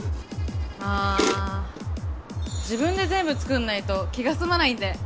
あ自分で全部作んないと気が済まないんで。